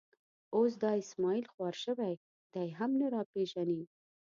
اوس دا اسمعیل خوار شوی، دی هم نه را پېژني.